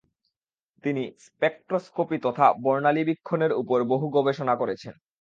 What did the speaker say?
তিনি স্পেকট্রোস্কপি তথা বর্ণালীবীক্ষণের উপর বহু গবেষণা করেছেন।